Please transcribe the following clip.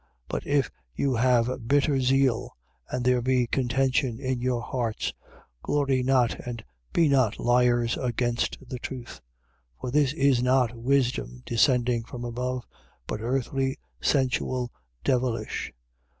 3:14. But if you have bitter zeal, and there be contention in your hearts: glory not and be not liars against the truth. 3:15. For this is not wisdom, descending from above: but earthly, sensual, devilish.